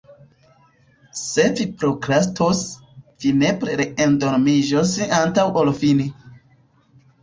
Se vi prokrastos, vi nepre re-endormiĝos antaŭ ol fini.